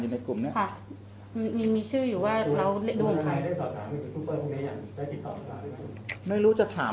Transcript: อยู่ในกลุ่มเดียวกันไหมคะ